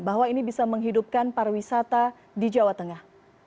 bahwa ini bisa menghidupkan pariwisata di jawa tengah